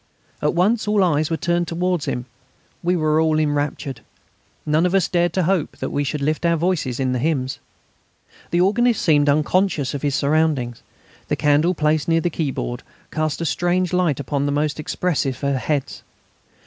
At once all eyes were turned towards him; we were all enraptured. None of us dared to hope that we should lift our voices in the hymns. The organist seemed unconscious of his surroundings. The candle placed near the keyboard cast a strange light upon the most expressive of heads.